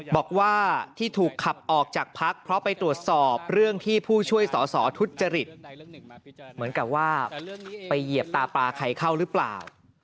บอกว่าที่ถูกขับออกจากพักเพราะไปตรวจสอบเรื่องที่ผู้ช่วยสอสอทุจริตเหมือนกับว่าไปเหยียบตาปลาใครเข้าหรือเปล่า